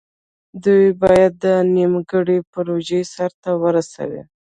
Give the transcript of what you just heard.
دوی باید دا نیمګړې پروژه سر ته ورسوي.